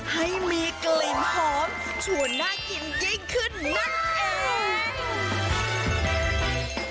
ให้มีกลิ่นหอมชวนน่ากินยิ่งขึ้นนั่นเอง